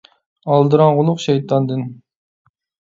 ئالدىراڭغۇلۇق شەيتاندىن.